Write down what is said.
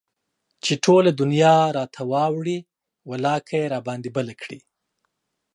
چې ټوله دنيا راته واوړي ولاکه يي راباندى بله کړي